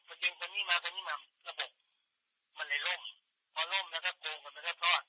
จริงคนนี้มาคนนี้มาระบบมันเลยล่มพอล่มแล้วก็โกงคนมาทอด